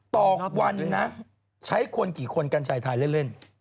ต่อวันนะใช้คนกี่คนกัญชัยทายเล่น